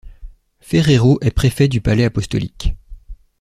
Ferrero est préfet du palais apostolique.